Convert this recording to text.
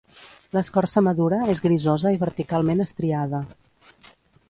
L'escorça madura és grisosa i verticalment estriada.